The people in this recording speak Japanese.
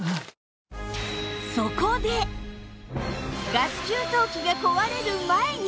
ガス給湯器が壊れる前に！